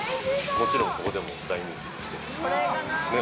もちろんここでも大人気です。